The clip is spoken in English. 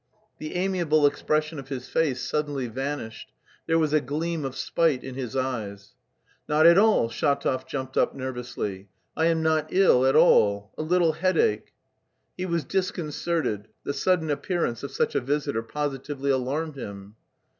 The amiable expression of his face suddenly vanished; there was a gleam of spite in his eyes. "Not at all." Shatov jumped up nervously. "I am not ill at all... a little headache..." He was disconcerted; the sudden appearance of such a visitor positively alarmed him.